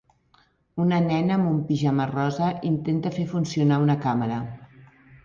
Una nena amb un pijama rosa intenta fer funcionar una càmera.